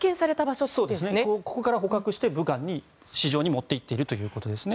ここから捕獲して武漢の市場へ持っていっているということですね。